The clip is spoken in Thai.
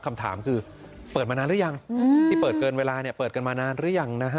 คำถามคือเปิดมานานหรือยังที่เปิดเกินเวลาเปิดกันมานานหรือยังนะฮะ